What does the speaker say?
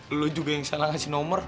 eh lo juga yang salah ngasih nomer